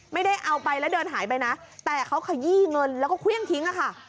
ไม่ได้เอาไปแล้วเดินหายไปนะแต่เขาขยี้เงินแล้วก็เครื่องทิ้งค่ะ